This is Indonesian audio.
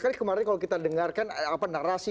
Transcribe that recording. karena kemarin kalau kita dengarkan narasi